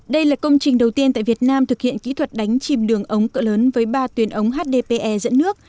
đây là công trình đầu tiên tại việt nam thực hiện kỹ thuật đánh chìm đường ống cỡ lớn với ba tuyến ống hdpe dẫn nước